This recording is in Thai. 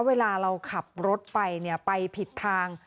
เวลาเราขับรถไปไปผิดทาง